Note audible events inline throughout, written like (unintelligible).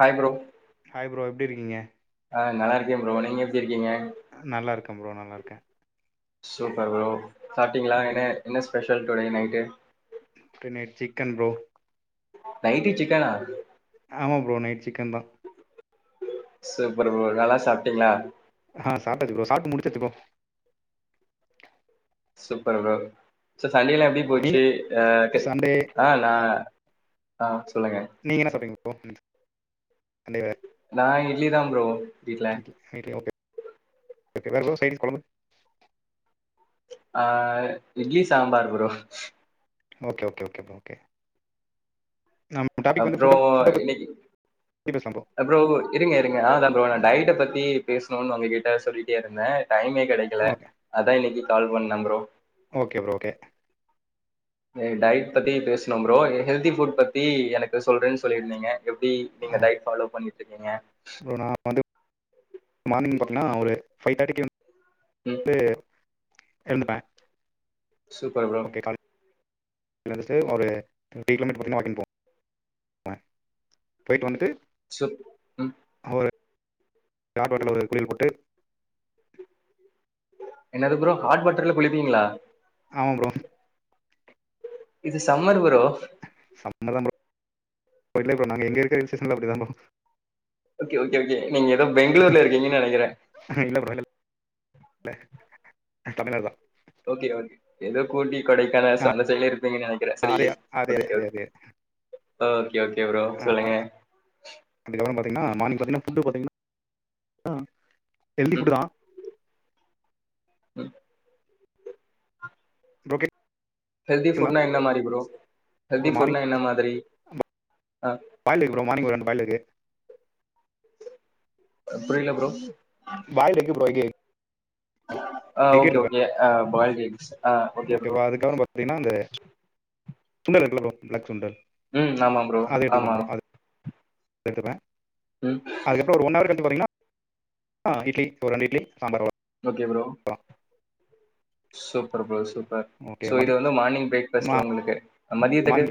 Hi bro hi bro எப்டி இருக்கீங்க? ஆ நல்லாருக்கேம் ப்ரோ நீங்க எப்டி இருக்கீங்க? நல்லாருக்கம் ப்ரோ நல்லாருக்கே சூப்பர் ப்ரோ சாட்டிங்களா என என்ன special today night to tonight chicken bro நைட்டி சிக்கனா ஆமா ப்ரோ நைட் சிக்கன் தா சூப்பர் ப்ரோ நல்லா சாப்டீங்ளா? ஆ சாப்டாச்சு ப்ரோ சாப்டு முடிச்சாச்சு ப்ரோ சூப்பர் ப்ரோ சோ சண்டேயல்லா எப்டி ஓகே நீங்க போச்சு ஆ சண்டே ஆ‌ நா ஆ‌ போச்சு நீங்கென்ன‌ சாப்டிங்க (unintelligible) ஆ இட்லி தாம் ப்ரோ வீட்ல. (unintelligible) ஓகே ஓகே வேறெது சைடிஸ் கொழம்பு ஆ idli sambar bro okay okay okay bro okay நம்ம டாபிக் வந்து அப்றோ ஃபுட்ட ஃபுட்ட இன்னக்கி பத்தி பேசலாம் அ ப்ரோ இருங்க இருங்க ஆ தா ப்ரோ நா டய்ட்ட பத்தி பேசனுன் உங்க கிட்ட சொல்லிட்டே இருந்தே டைமே கெடைக்கல ஓகே அதா இன்னைக்கி கால் பண்ணே ப்ரோ ஓகே ப்ரோ ஓகே எனகு டயட் பத்தி பேசனும் ப்ரோ ஹெல்தி ஃபுட் பத்தி எனக்கு சொல்றேன் சொல்லியிருந்தீங்க எப்டி நீங்க டயட் ஃபாலோ பண்ணி ட்ருக்கீங்க ப்ரொ நா வந்து மானிங் பாத்தனா ஒரு பை தேட்டிக்கு ம் து இருந்துப்பே சூப்பர் ப்ரோ நா ஜஸ்ட் ஒரு த்ரீ கிலோமீட்டர் மட்டுதா வாக்கிங் போவே போயிட்டு வந்துட்டு சோ ம் ஒரு ஹாட் வட்டார்ல ஒரு குளில் போட்டு என்னது ப்ரோ ஹாட் வாட்டர்ல குளிப்பீங்களா ஆமா ப்ரோ இது சம்மர் ப்ரோ சம்மதா ப்ரோ ப்ரோ இல்ல ப்ரோ நாங்க எங்க இருக்கிற என்ஸ்ஷன்ல அப்பிடிதா ப்ரோ ஓகே ஓகே ஓகே நீங்க எதோ பெங்களூர்ல இருக்கீங்கன்னு நெனைக்கிறே தமிழ்நாடுதா ஓகே ஓகே எத கூட்டி கொடைக்கான ச ஆ அந்த செயல இருப்பீங்கன்னு நெனைக்கிறே சரி அதே அதே அதே ஓகே ஓ அதே அதே. ஓ ஓகே ஓகே ப்ரோ சொல்லுங்க த்திங்கன்னா மானிங் பாத்தீங்கன்னா ஃபுட்டு பாத்தீங்கன்னா ஹெல்த்தி ம் ஃபுட்டுதா ம் ஓக்கே ஹெல்தி ஃபுட்னா என்ன மாதிரி ப்ரோ ஹெல்தி ப்ரோ மார்னிங் ஃபுட்னா என்ன மாதிரி ஆஹ இன் ஆடியபிள் புரியல ப்ரோ (unintelligible) ஆ எக் ஓகே எடுத்துப்பே ஓகே ஆ பாய்ல்டு எக்ஸ் ஆ ஓகே ப்ரோ அதுக்கப்புறம் பாத்தீங்கன்னா அந்த சுண்டல் இருக்குல்ல ப்ரோ வெள்ள சுண்டல் ம் ஆமா ப்ரோ ஆமா த்துப்பே அதுக்கப்புறோ ஒரு ஒன் ஹவர் கழிச்சி பாத்தீங்கன்னா ஆ இட்லி ஒர் ரெண்டு இட்லி சாம்பார் வ okay bro super bro super okay so இத மதி வந்து மானிங் மா பிரேக்ஃபஸ்ட் உங்களுக்கு மதியத்துக்கு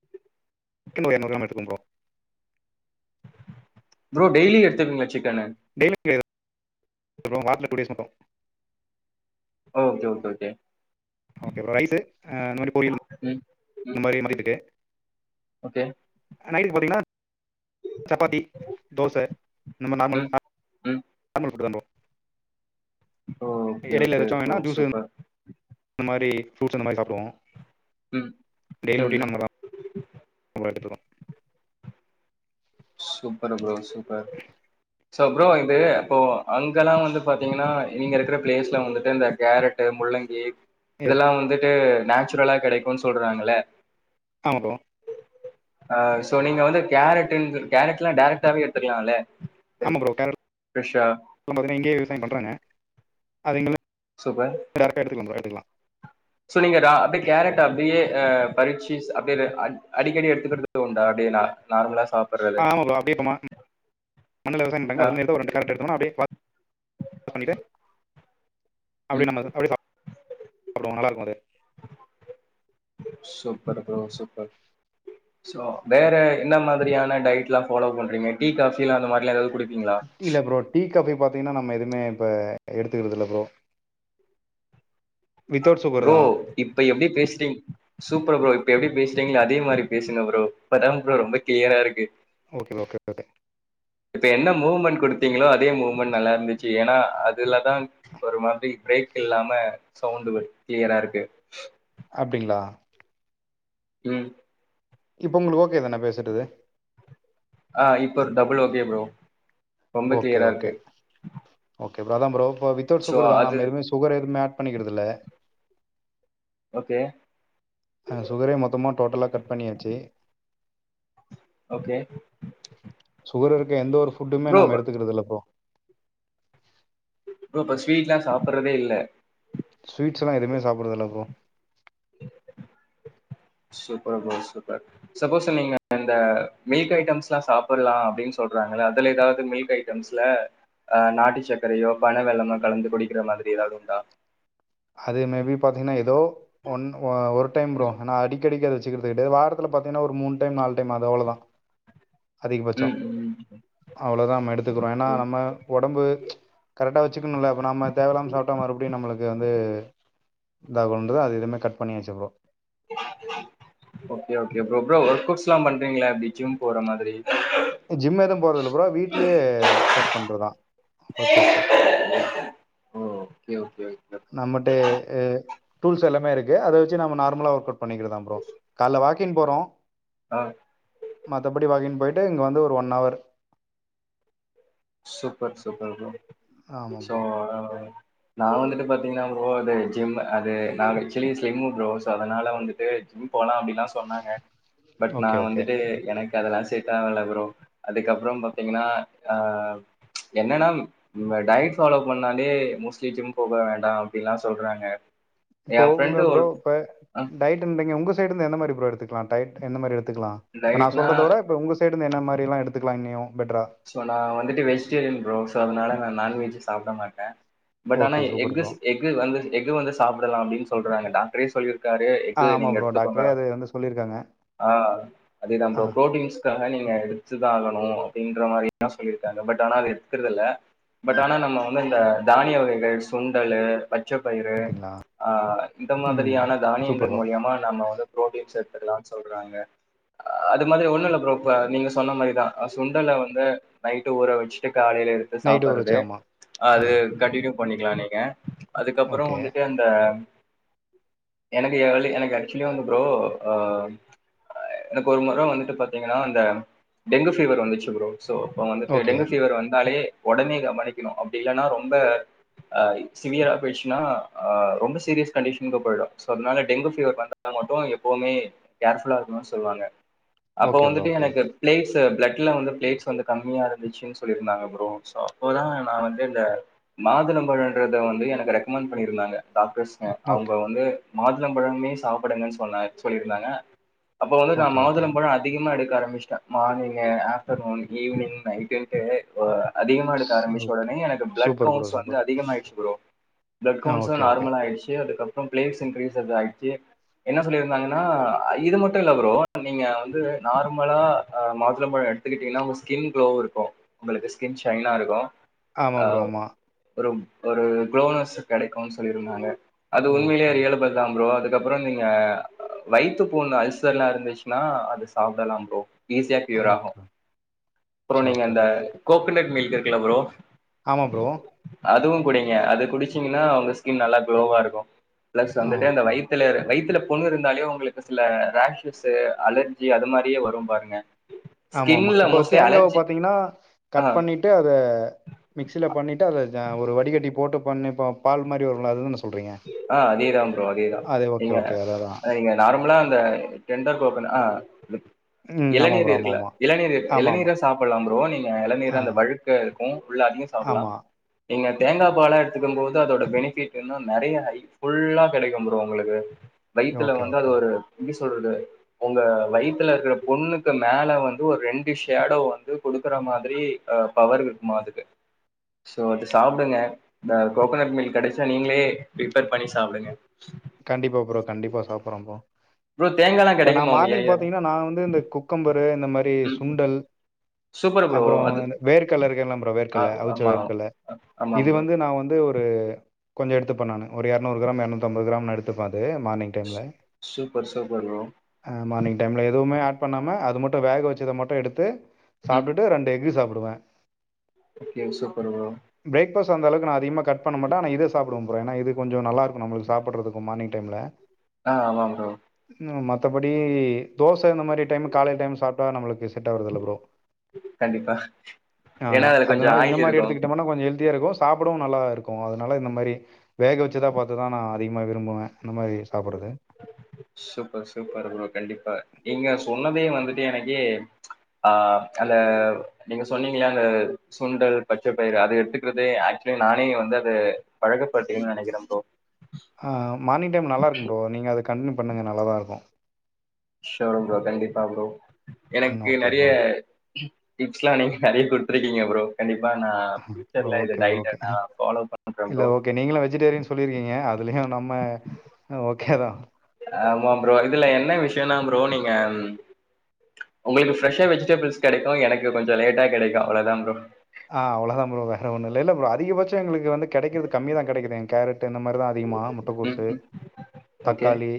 க்கன் ஒரு எர்நூறு கிராம் எடுத்துக்வே ப்ரோ ப்ரோ டெய்லி எடுத்துக்விங்ளா சிக் டெய்லி இல்ல ப்ரோ வாரத்துல டூ டேஸ் மட்டு okay okay okay okay bro rice அ (unintelligible) பொரியல் ம் இந் ம் த மாரி மதியத்துக்கு ஓகே நைட்டுக் பாத்தீங்னா சப்பாத்தி தோச நம்ம நார்மல் ம் சாப் புற ஃபுட்டு தாம் ப்ரோ ஓ ஓகே ஓகே ப்ரோ சூப்பர் ந்த மாரி ஃபுரூட்ஸ் அந்த மாரி சாப்டுவோ ம் டெய்லி ம் ரொட்டீன் ம் நம்மளா நம் ரெண்டு பேரு super bro super so bro இது இப்போ அங்கல்லா வந்து பாத்தீங்கனா நீங்க இருக்குற பிளேஸ்ல வந்துட்டு இந்த கேரட்டு முள்ளங்கி எஸ் இதெல்லா வந்துட்டு நேச்சுரலா கெடைக்குன் சொல்றாங்கல ஆமா ப்ரோ ஆ சோ நீங்க வந்து கேரட்டுன்து கேரட்லா டேரக்டாவே எடுத்துக்லால்ல ஆமா ப்ரோ கேரட்லா பாத்தினா இங்கயே விவசாயம் பண்றாங்க அது இங்கலா சூப்பர் டேரக்டா எடுத்துக்லா ப்ரோ எடுத்துக்லா சோ நீங்க ரா அப்டியே அ கேரட் அப்டியே ஆ பறிச்சி அப்டிலெ அ அடிக்கடி எடுத்துக்கற்து உண்டா அப்டியே நா நார்மலா சாப்பட்றது ஆ ஆமாப்ரோ அப்டியே இப்ப மா மண்ணுல விவசாயம் பண்றாங்கல ஆ அதலெந்து எடுத்து ஒரு ரெண்டு கேரட் எடுத்துனோ நா அப்டியே வா பண்ணிட்டு அப்டியே ம் நம்ம அத அப்டியே சாப்புடுவோ நல்லாருக்கு அது சூப்பர் ப்ரோ சூப்பர் சோ வேற என்ன மாதிரியான டயட்லா ஃபலோ பண்றீங்க டீ காஃபிலா அந்த மாரிலா எதாவ்து குடிப் இல்ல ப்ரோ டீ காபி பாத்தீங்னா நம்ம எதுவுமே இப்ப எடுத்துக்குறது இல்ல ப்ரோ வித்தவுட் சுகர் ப்ரோ தா இப்ப எப்டி பேசுறீங்க சூப்பர் ப்ரோ இப்ப இப்ப எப்டி பேசுறீங்ளோ அதே மாதிரி பேசங்க் ப்ரோ இப்தா ப்ரோ ரொம்ப கிளியரா இருக்கு ஓகே ஓகே ஓகே இப்ப என்ன மூவ்மெண்ட் கொடுத்தீங்களோ அது ந மூவ்மெண்ட் நல்லா இருந்துச்சு ஏன்னா அதுலதா ஒரு மாதிரி பிரேக் இல்லாம சவுண்ட் வ கிளியரா இருக்கு அப்டிங்ளா உம் இப்ப ஒங்களுக்கு ஓகே தான பேசுறது ஆ இப்ப டபுள் ஓ கே ப்ரோ ரொம்ப ஓகே கிளியரா ஓகே இருக்கு ஓகே அதா ப்ரோ இப்போ வித்தௌட் சோ சுகர் தானா அது நம்ம எதுமே சுகர் எதுமே ஆட் பண்ணிக்கறுதில்ல ஓகே அ சுகரே மொத்தமா டோட்டலா கட் பண்ணியாச்சு ஓகே சுகர் இருக்க எந்த ஒரு ஃபுட்டுமே ப்ரோ நம்ம ப்ரோ எடுத்துக்குறது இல்ல இப்போ ப்ரோ இப்ப ஸ்வீட்லா சாப்றதே இல்ல ஸ்வீட்ஸ்லா எதுவுமே சாப்றது இல்ல bro super bro super suppose நீங்க இந்த மில்க் ஐட்டம்ஸ்ல்லா சாப்டலா அப்டின்னு சொல்றாங்க அதுல ஏதாவது மில்க் ஐட்டம்ஸ்ல அ நாட்டு சக்கரையோ பன வெல்லமோ கலந்து குடிக்கிற மாரி ஏதாவது உண்டா அது மேபி பாத்தீங்னா ஏதோ ஒன் ஒரு டைம் ப்ரோ ஆனா அடி கெடைக்கத வச்சுக்கிறது வாரத்ல பாத்தீங்னா ஒரு மூனு டைம் நாலு டைம் அது அவ்ளதா அதிகபட்சோ ம் ம் அவ்ளோதா நம்ம எடுத்துக்குறோ ஏன்னா ம் நம்ம ஒடம்பு கரெக்டாக வச்சுக்கணுல இப்போ நம்ம தேவயில்லாம சாப்ட்டா மறுபடியு நம்மளுக்கு இது இதாக கொ அது எதுவுமே கட் பண்ணி வச்சுப்போ okay okay bro bro work அவுட்ஸ்லா பண்றீங்ளா இப்டி ஜிம் போற மாதிரி ஜிம் எதுவு போறதுல ப்ரோ வீட்லயே ஒர்க் அவுட் பண்றதா ஒர்க் அவுட்ஸு ஓ ஓகே ஓகே ஓகே ப்ரோ. நம்மட்ட டூல்ஸ் எல்லாமே இருக்கு அத வச்சு நம்ம நார்மலா ஒர்க் அவுட் பண்ணிக்கிறதா ப்ரோ கால்ல வாக் கின் போறோ ஆ மத்தபடி வாகின் போயி ட்டு இங்க வந்து ஒரு ஒன் அவர் சூப்பர் சூப்பர் ஆமா சோ ப்ரோ (unintelligible) நா வந்துட்டு பாத்தீங்கன்னா ப்ரோ அது ஜிம் அது நா ஆக்சுலி ஸ்லிம் ப்ரோ சோ அதனால வந்துட்டு ஜிம் போலா அப்பிடில்லா சொன்னாங்க பட் நா ஓகே ஓகே வந்துட்டு எனக் க்கு அதெல்லா செட் ப்ரோ அதுக்கப்புறோ பாத்தீங்கன்னா ஆ என்னன்னாம் டயட் ஃபாலோ பண்ணாலே மோஸ்ட்லி ஜிம் போக வேண்டா அப்பிடில்லா சொல்றாங்க எ இப்போ உங்க ஃப்ரெண்டு ப்ரோ ஒரு இப்ப அ டயட் இன்டிங்க உங்க சைடு இருந்து எந்த மாரி ப்ரோ எடுத்துக்கலா டய்ட் எந்த மாரி எடுத் த்துக்கலா இப்ப நா டயட்னா சொல்றதோட இ உங்க சைடு இந்து என்ன மாரில்லா எடுத்து க்லான்னியு சோ நா வந்துட்டு வெஜிடேரியன் ப்ரோ சோ அதனால நா நான்வெஜ் சாப்பிடமாட்டே பட் ஆனா okay super bro eggs egg வந்து எக் வந்து சாப்பிடலா அப்பிடின் சொல்றாங்க டாக்டரே சொல்லிரு க்காரே ஆ எக்கு ஆமா நீங்க ப்ரோ எடுத்துக்கோங்க டாக்டரே அது வந்து சொல்லிருக்காங்க ஆ அதேதா ஆ ப்ரோ புரோட்டீன்ஸ்காக நீ நீங்க எடுத்துதா ஆகணு இன்ற மாரிதா சொல்லியிருக்காங்க பட் ஆன எத்துக்கிறது இல்ல பட் ஆனா நம்ம வந்து இந்த தானிய வகைகள் சுண்டலு மொச்ச பயிரு அப்டிங்களா ஆ இந்த ம் மாதிரியான சூப்பர் தானியங்கள் ப்ரோ மூலியமா நம் வந் ப்ரோட்டின்ஸ் எடுத்துக்களான் சொல்றாங்க அது மாதிரி ஒன்னு இல்ல ப்ரோ இப்ப நீங்க சொன்ன மாரிதா சுண்டல வந்து நைட்டு ஊற வச்சிட்டு காலையில எடுத்து நைட்டு ஊற சாப்பிறது வச்சு ஆமா ஆ அது கண்டினியூ பண்ணிக்கலா நீங்க அதுக்கப்புறோ ஓகே வந்துட்டு அந்த எனக்கு எனக்கு ஆக்சுலி வந்து ப்ரோ அ எனக்கு ஒரு முறை வந்துட்டு பாத்தீங்கன்னா இந்த டெங்கு ஃபீவர் வந்திச்சி ப்ரோ சோ இப்போ வந்துட்டு ஓகே டெங்கு ஃபீவர் வந்தாலே ஒடனே கவ பண்ணிக்கனு அப்பிடி இல்லன்னா ரொம்ப அ சிவியரா போயிச்சின்னா ஆ ரொம்ப சீரியஸ் கண்டிஷனுக்கு போயிடு சோ அதனால டெங்கு ஃபீவர் வந்தா மட்டு எப்பவுமே கேர் ஃபுல்லா இருக்கனு சொல்லுவாங்க அப்ப ஓகே ப்ரோ வந்துட்டு ஓகே எனக்கு ஓகே பிளேட்ஸ் த் பிளட்லா வந்து பிளேட்ஸ் வந்து கம்மியா இருந்துச்சின் சொல்லிருந்தாங்க ப்ரோ சோ அப்பதா நா வந்து இந்த மாதுளம்பழன்றத வந்து எனக்கு ரெக்கமெண்ட் பண்ணிருந்தாங்க டாக்டர்ஸ்ங்க அவுங்க ஓகே அவுங்க மாதுளம்பழமே சாப்பிடுங்கன்னு சொன்ன சொல்லியிருந்தாங்க அப்ப வந்து நா ஓகே ஓகே மாதளம் பழம் அதிகமா எடு ஆரம்பச்சிட்டா (unintelligible) morning afternoon evening night and அதிகமா எடுக்க ஆரம்பிச்ச ஓகே உடனே எனக்கு பிளட் சூப்பர் ப்ரோ கவுன்ஸ் வந்து சூப்பர் அதிகமாயிச்சு ப்ரோ ஆ பிளட்வுகவுன்ஸ்சுலா ஓகே ஓகே நார்மல ஆயிச்சு அதுக்கு பிலேட்ஸ் இங்கிரிஸ்சஸ் ஆயிடுச்சு என்ன சொல்லிருந்தாங்கனா இது மட்டு இல்ல ப்ரோ நீங்க வந்து நார்மலா மாதுளம்பழோ எடுத்துக்கிட்டீங்கனா உங்க ஸ்கின் க்ளோ இருக்கு ஒங்களுக்கு ஸ்கின் ஷைனா இருக்கு ஆமா ப்ரோ ஆமா ஒரு குளோனஸ் கெடைக்குனு சொல்லி இருந்தாங்க அது உண்மையிலே ஓகே ரியலபல்தா ப்ரோ அது அதுக்கப்பறோ நீங்க வயத்து புண்ணு அல்சர் எல்லா இருந்துச்சுன்னா அது சாப்டலா ப்ரோ ஈஸியா ஓகே கியூர் ஆகு ஓகே. அப்புறோ சரி நீங்க ஓகே அந்த ப்ரோ ஓகே கோகோனட் மில்க் இல்ல ப்ரோ ஆமா ப்ரோ அதுவு குடிங்க அது குடிச்சீங்கன்னா உங்க ஸ்கின் நல்லா குளோவா இருக்கு பிளஸ் ஆ வந்துட்டு அந்த ஓகே வய்த்துல வய்த்துல பொண்ணு இருந்தாலே ஒங்களுக்கு சில ரஷஸ் அலர்ஜி அது மாதிரியே வரும் பாருங்க எ ஆமா ஆமா இப்போ தேங்காவ பாத்தீங்கனா ஆ கட் பண்ணிட்டு அத மிக்சில பண்ணிட்டு அதஒரு வடிகட்டி போட்டு பண்ணி இப்ப பால் மாதிரி வருங்ளா அது ஆ அதேதா ப்ரோ அதேதா ஓகே நீங்க ஓகே அதான் நீங்க நார்மலா அந்த டெண்டர் கோக்கனட் ஆ ம் ஆமாம் இளநீர் ப்ரோ ஆமாம் இருக்கல்ல ஆமாம் இளநீர் ஆமாம் இளநீர ஆமாம் சாப்டலா ப்ரோ நீங்க ஆ இளநீர் அந்த வழுக்க இருக்கு உள்ள அதியு சாப்டலா ஆமாம் நீங்க தேங்கா பாலா எடுத்துத்தக்கம் போது அதோட பெனிபிட் என்ன நெறைய ஹை ஃபுல்லா கெடைக்கு ப்ரோ ஒங்களுக்கு வயித்துல ஓகே வந்து ஓகே அது ப்ரோ ஒரு சொல்றது உங்க வயித்துல இருக்குற புண்ணுக்கு மேல வந்து ஒரு ரெண்டு ஷேடோ வந்து கொடுக்குற மாதிரி பவர் இருக்குமா அதுக்கு சோ அது சாப்டுங்க இந்த கோகோனட் மில்க் கெடச்சா நீங்களே பிரிப்பேர் பண்ணி சாப்டுங்க கண்டிப்பா ப்ரோ கண்டிப்பா சாப்றோ ப்ரோ ப்ரோ தேங்காய்லாம் இப்ப நா கிடைக்குமா உங்க மார்னிங் ஏரியா பாத்தீங்கன்னா நா வந்து இந்த குக்கம்பர் இப்பவே இந்த மாரி ம் சுண்டல் சூப்பர் ப்ரோ அப்புறோ அது இந்த வேர்க்கல்ல இருக்கல்ல ப்ரோ ஆ வேர்க்கல்ல அவிச்ச ஆமா வேர்க்கல்ல ஆமாம் இது ப்ரோ வந்து நா வந்து ஒரு ப் கொஞ்ச எடுத்துப்பே நானு ஒரு இருநூறு கிராம் இருநூத்தி ஐம் தம்பகிராம் நா எடுத்து பா ஆ மார்னிங் டைம்ல சூப்பர் சூப்பர் ப்ரோ அ மார்னிங் டைம்ல எதுவுமே ஆட் பண்ணாம அது மட்டு வேக வச்சத மட்டு எடுத்து சாப்டுட்டு ரெண்டு எஃகு சாப் டுவே கே சூப்பர் ப்ரோ கோஸ் அந்த அளவுக்குனா அதிகமா கட் பண்ணமாட்டே ஆனாஇத சாப்பிடுவே வேனா இது கொஞ்சோ நல்லா இருக்கு நம்மளுக்கு சாப்பிட்றதுக்கு மார்னிங் டைம்ல ஆ ஆமா ப்ரோ த்தபடி தோச இந்த மாரி டைம் காலை டைம் சாப்ட்டா நம்மளுக்கு ட்டாவருதுல பரோ கண்டிப்பா ஆ ஏன்னா அதுல கொஞ்சோ அதனால இந்த ஆயில் மாரி இருக்கு எடுத்துக்கிட்டோம்னா கொஞ்ச ஹெல்தியா இருக்கு சாப்பிடவு நல்லா இருக்கு அதனால இந்த மாரி வேக வச்சதா பாத்துதா நா அதிகமா விரும்புவே இந்த மாரி சாப்பிட்றது சூப்பர் சூப்பர் தே எனக்கே ஆ அந்த நீங்க சொன்னீங்களையா அந்த சுண்டல் பச்சைப்பயிறு அத எடுத்துக்கறது ஆக்சுவலி நானே வந்து அத பழகப்பட்டீங்கனுனு நனக்குரே ப்ரோ ஆ மார்னிங் டைம் நல்லா இருக்கு ப்ரோ நீங்க அதுக் கண்டினியூ பண்ணுங்க நல்லதா இருக்கு ஷோரு ப்ரோ கண்டிப்பா ப்ரோ ம். எனக்கு ஓகே நறைய ப்ரோ. டிப்ஸ்லா நீங்க நறைய குடுத்தருக்கீங்க ப்ரோ கண்டிப் ஓகேஓகே ஃபாலோ பண்றே இல்ல ப்ரோ ஓகே நீங்களு வெஜிடேரியன் சொல்லிருக்கீங்க அதுலயு நம்ம ஓகேதா ஆமா ப்ரோ இதுல என்ன விஷயம்னா ப்ரோ நீங்க உங்களுக்கு ஃப்ரெஷ்ஷா வெஜிடபிள்ஸ் கெடைக்கு எனக்கு கொஞ்ச லேட்டா கெடைக்கு அவ்ளதா ப்ரோ அவ்வளோதான் ப்ரோ ஆ அவ்ளதா ப்ரோ வேற ஒண்ணு இல்ல இல்ல ப்ரோ அதிகபச்சோ எங்களுக்கு வந்து கெடைக்குறது கம்மி தா கிடைக்குது எ கேரட் இந்த மாரி தா அதிகமா ம் முட்டகோசு ம் ஓகே தக்காளி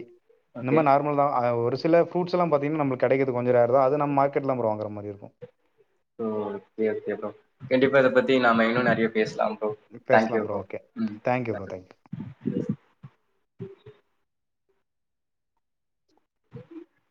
இந்த ஓகே மாரி நார்மல் தா ஒரு சில ஃபுரூட்ஸ் எல்லா பாத்தா (unintelligible) நம்மளுக்கு கெடைக்குரகு கொஞ்ச ரேர்தா அது நம் மார்கெட்லாம் ப்ரோ வாங்குர மாரி இருக்கு ஓ (unintelligible) கண்டிப்பா அத பத்தி நாம இன்னு நிறைய பேசலா பேச்லா bro okay thank you bro thank you